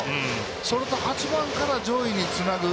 それと８番から上位につなぐ。